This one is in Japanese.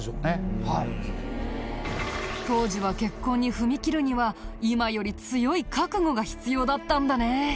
当時は結婚に踏み切るには今より強い覚悟が必要だったんだね。